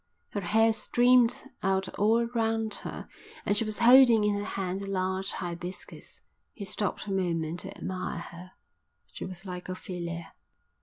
Her hair streamed out all round her, and she was holding in her hand a large hibiscus. He stopped a moment to admire her; she was like Ophelia.